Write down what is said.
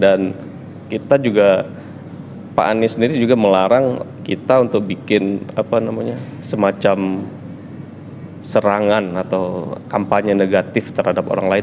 dan kita juga pak anies sendiri juga melarang kita untuk bikin semacam serangan atau kampanye negatif terhadap orang lain